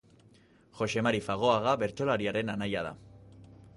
Joxe Mari Fagoaga bertsolariaren anaia da.